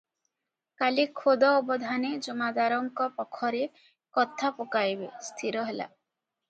କାଲି ଖୋଦ ଅବଧାନେ ଜମାଦାରଙ୍କ ପଖରେ କଥା ପକାଇବେ, ସ୍ଥିର ହେଲା ।